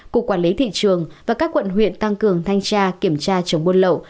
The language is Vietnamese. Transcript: cục quản lý thị trường và các quận huyện tăng cường thanh tra kiểm tra chống buôn lậu